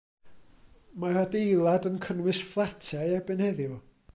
Mae'r adeilad yn cynnwys fflatiau erbyn heddiw.